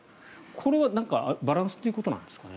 これはバランスということですかね？